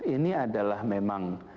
ini adalah memang